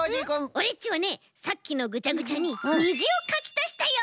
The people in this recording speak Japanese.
オレっちはねさっきのぐちゃぐちゃににじをかきたしたよ。